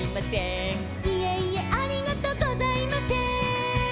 「いえいえありがとうございませーん」